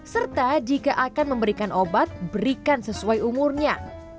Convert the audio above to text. serta jika akan memberikan obat berikan sesuai umurnya